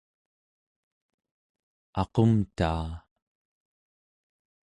aqumtaa